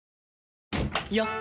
よっ！